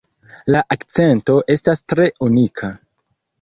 La akcento estas tre unika.